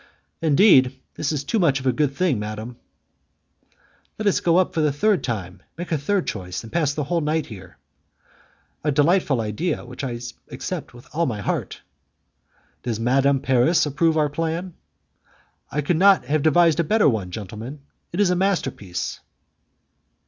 "Indeed! this is too much of a good thing, madam." "Let us go up for the third time, make a third choice, and pass the whole night here." "A delightful idea which I accept with all my heart." "Does Madame Paris approve our plan?" "I could not have devised a better one, gentlemen; it is a masterpiece."